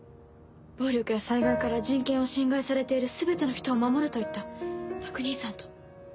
「暴力や災害から人権を侵害されている全ての人を守る」と言った拓兄さんと。